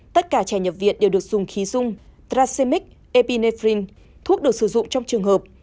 tất cả trẻ nhập viện đều được dùng khí dung tracemic epinephrine thuốc được sử dụng trong trường hợp